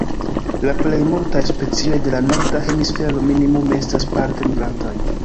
La plej multaj specioj de la Norda Hemisfero minimume estas parte migrantaj.